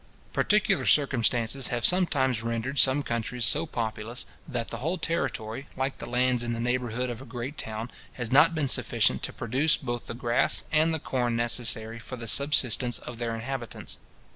Particular circumstances have sometimes rendered some countries so populous, that the whole territory, like the lands in the neighbourhood of a great town, has not been sufficient to produce both the grass and the corn necessary for the subsistence of their inhabitants.